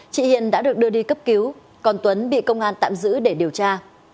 chị hiền đã được đưa đi cấp cứu còn tuấn bị công an tạm giữ để điều tra